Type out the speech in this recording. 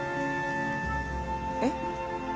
えっ？